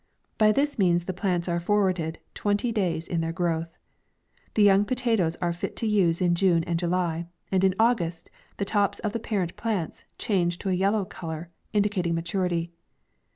By this means the plants are forwarded twen ty days in their growth. The young potatoes are fit for use in June and July, and in August the tops of the parent plants change to a yel low colour, indicating maturity.